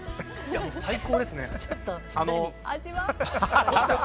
最高ですね。